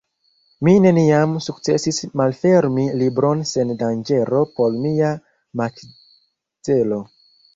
Mi neniam sukcesis malfermi libron sen danĝero por mia makzelo.